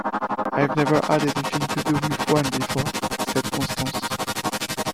'I've never had anything to do with one before,' said Constance.